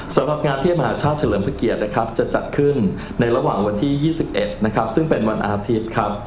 สำหรับงานเทพมหาชาติเฉลิมพระเกียรตินะครับจะจัดขึ้นในระหว่างวันที่๒๑นะครับซึ่งเป็นวันอาทิตย์ครับ